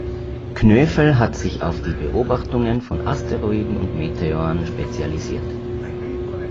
Knöfel hat sich auf die Beobachtungen von Asteroiden und Meteoren spezialisiert.